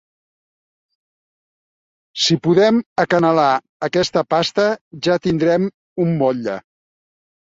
Si podem acanalar aquesta pasta, ja tindrem un motlle.